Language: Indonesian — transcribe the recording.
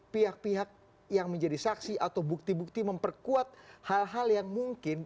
pihak pihak yang menjadi saksi atau bukti bukti memperkuat hal hal yang mungkin